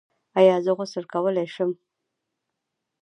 ایا زه غسل کولی شم؟